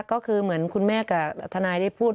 ก็คือเหมือนคุณแม่กับทนายได้พูด